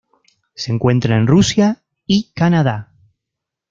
Se encuentra en Rusia y Canadá.